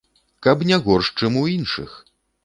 Каб не горш, чым у іншых!